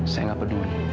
saya gak peduli